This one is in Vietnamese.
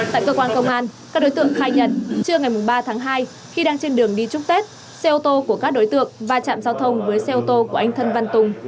tại cơ quan công an các đối tượng khai nhận trưa ngày ba tháng hai khi đang trên đường đi chúc tết xe ô tô của các đối tượng va chạm giao thông với xe ô tô của anh thân văn tùng